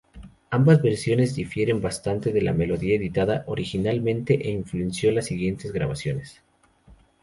Ambas versiones difieren bastante de la melodía editada originalmente e influenció las siguientes grabaciones.